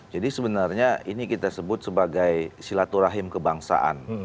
jadi sebenarnya ini kita sebut sebagai silaturahim kebangsaan